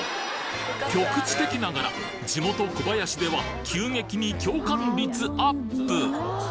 局地的ながら地元・小林では急激に共感率アップ！